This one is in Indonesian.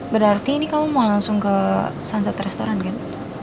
berarti ini kamu mau langsung ke sunset restoran kan